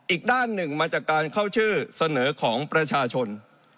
อีกด้านหนึ่งมาจากการเข้าชื่อเสนอของประชาชน